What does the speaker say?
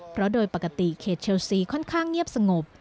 เพราะโดยปกติเขตเชลซีค่อนข้างเงียบสงบ